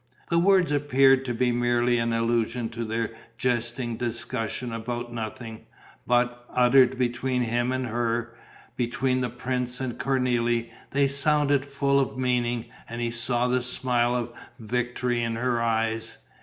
The words appeared to be merely an allusion to their jesting discussion about nothing; but, uttered between him and her, between the prince and Cornélie, they sounded full of meaning; and he saw the smile of victory in her eyes....